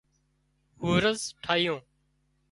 هورز ٺاهيو